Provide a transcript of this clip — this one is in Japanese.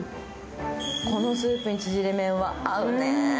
このスープに縮れ麺は合うね。